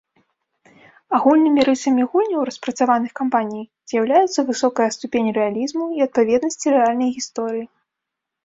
Агульнымі рысамі гульняў, распрацаваных кампаніяй, з'яўляюцца высокая ступень рэалізму і адпаведнасці рэальнай гісторыі.